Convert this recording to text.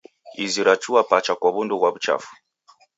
Izi rachua pacha kwa w'undu ghwa w'uchafu.